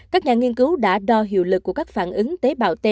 các nhà nghiên cứu đã đo hiệu lực của các phản ứng tế bào t